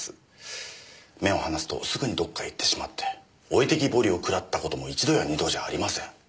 目を離すとすぐにどこかへ行ってしまって置いてきぼりを食らった事も一度や二度じゃありません。